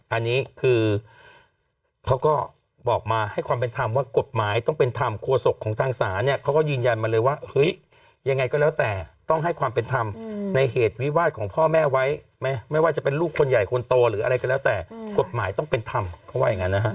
อันนี้คือเขาก็บอกมาให้ความเป็นธรรมว่ากฎหมายต้องเป็นธรรมโคศกของทางศาลเนี่ยเขาก็ยืนยันมาเลยว่าเฮ้ยยังไงก็แล้วแต่ต้องให้ความเป็นธรรมในเหตุวิวาสของพ่อแม่ไว้ไม่ว่าจะเป็นลูกคนใหญ่คนโตหรืออะไรก็แล้วแต่กฎหมายต้องเป็นธรรมเขาว่าอย่างนั้นนะฮะ